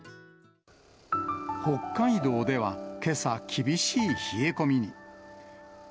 北海道では、けさ厳しい冷え込みに。